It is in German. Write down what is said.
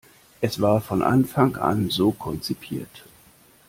Es war von Anfang an so konzipiert.